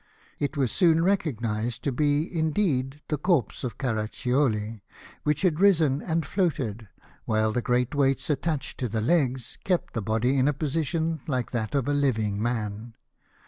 It was soon recognised to be indeed the corpse of CaraccioK, which had risen and floated, while the great weights attached to the legs kept the body in a position like that of a living man.